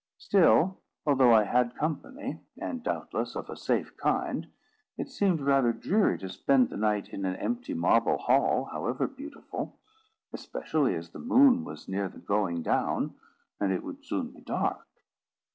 Still, although I had company, and doubtless of a safe kind, it seemed rather dreary to spend the night in an empty marble hall, however beautiful, especially as the moon was near the going down, and it would soon be dark.